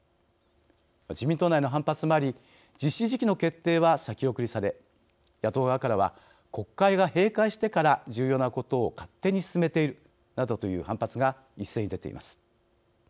自民党内の反発もあり実施時期の決定は先送りされ野党側からは国会が閉会してから重要なことを勝手に進めているなどという反発が一斉に出ています。